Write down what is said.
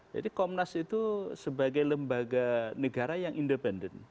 jadi komnas itu sebagai lembaga negara yang independen